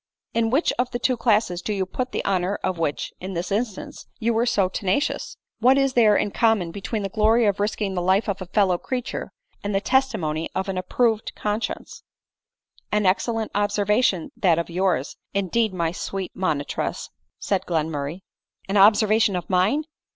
In which of the two classes do you put die honor of which, in this instance, you were so tenacious ? What is there in common between the glory of risking the life of a fellow creature, and the testimony of an approving conscience ?"" Ari~excellent observation that of yours, indeed, my sweet monitress," said Glenmurray. " An observation of mine